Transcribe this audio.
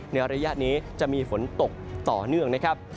ในระยะนี้จะมีฝนตกต่อเนื่องนะครับ